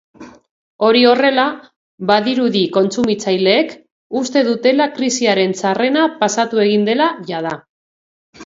Hori horrela, badirudi kontsumitzaileek uste dutela krisiaren txarrena pasatu egin dela jada.